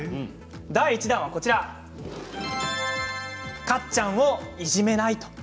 第１弾はカッちゃんをいじめない。